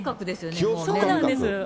そうなんです。